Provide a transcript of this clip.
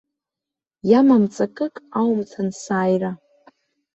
Иамам ҵакык аумҭан сааира.